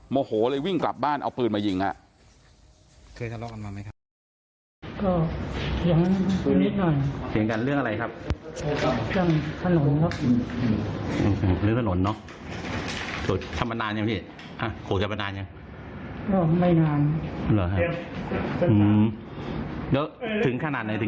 โมโหเลยวิ่งกลับบ้านเอาปืนมายิงครับ